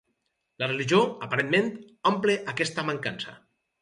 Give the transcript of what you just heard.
La religió, aparentment, omple aquesta mancança.